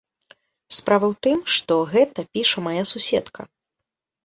Справа ў тым, што гэта піша мая суседка.